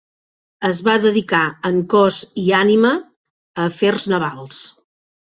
Es va dedicar en cos i ànima a afers navals.